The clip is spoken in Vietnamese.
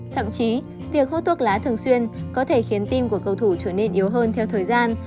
thậm chí việc hút thuốc lá thường xuyên có thể khiến tim của cầu thủ trở nên yếu hơn theo thời gian